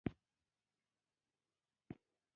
د يوه مهم کانال د سنګکارۍ رغنيزي